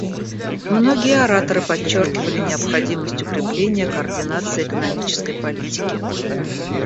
Многие ораторы подчеркивали необходимость укрепления координации экономической политики.